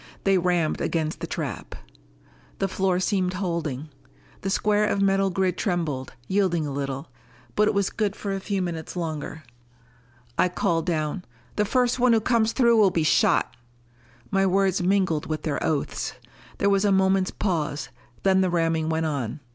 They rammed against the trap. The floor seemed holding. The square of metal grid trembled, yielded a little. But it was good for a few minutes longer. I called down, "The first one who comes through will be shot!" My words mingled with their oaths. There was a moment's pause, then the ramming went on.